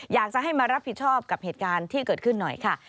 อยากจะให้มารับผิดชอบกับเหตุการณ์ที่เกิดขึ้นหน่อยค่ะ